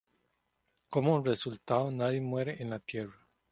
Como resultado, nadie muere en la tierra.